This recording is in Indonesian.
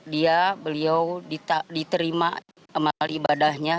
dia beliau diterima melibadahnya